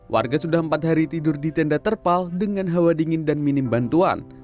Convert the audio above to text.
warga sudah empat hari tidur di tenda terpal dengan hawa dingin dan minim bantuan